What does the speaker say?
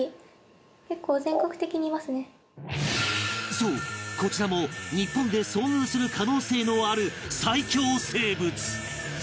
そうこちらも日本で遭遇する可能性のある最恐生物